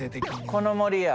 この森や。